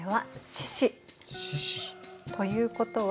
獅子。ということは？